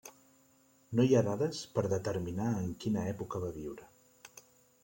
No hi ha dades per determinar en quina època va viure.